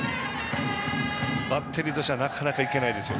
バッテリーとしてはなかなかいけないですよ。